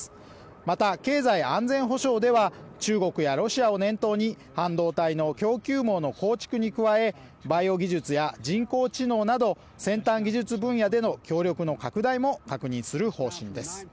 また、経済安全保障では中国やロシアを念頭に半導体の供給網の構築に加えバイオ技術や人工知能など先端技術分野での協力の拡大も確認する方針です。